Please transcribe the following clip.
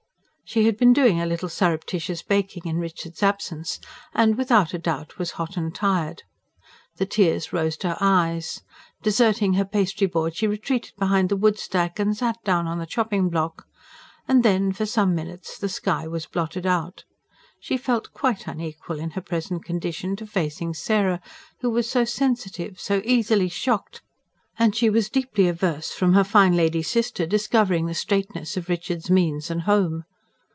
She had been doing a little surreptitious baking in Richard's absence, and without a doubt was hot and tired. The tears rose to her eyes. Deserting her pastry board she retreated behind the woodstack and sat down on the chopping block; and then, for some minutes, the sky was blotted out. She felt quite unequal, in her present condition, to facing Sarah, who was so sensitive, so easily shocked; and she was deeply averse from her fine lady sister discovering the straitness of Richard's means and home.